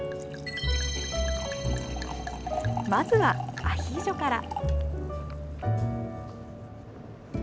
まずは、アヒージョから。